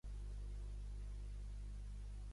Va néixer a South Pines, Carolina del Nord.